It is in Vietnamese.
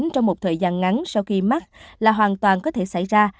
trong một thời gian ngắn sau khi mắc là hoàn toàn có thể xảy ra